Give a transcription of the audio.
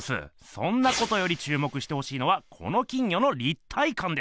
そんなことよりちゅうもくしてほしいのはこの金魚の立体かんです。